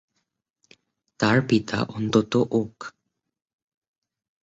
তার পিতা অনন্ত ওক।